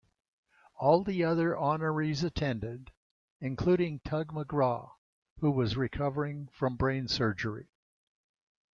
All the other honorees attended, including Tug McGraw, who was recovering from brain surgery.